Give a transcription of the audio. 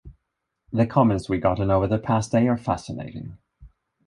The comments we've gotten over the past day are fascinating.